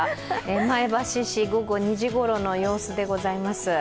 前橋市、午後２時ごろの様子でございます。